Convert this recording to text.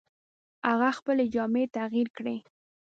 هغه خپلې جامې تغیر کړې.